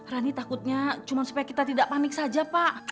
rani takutnya cuma supaya kita tidak panik saja pak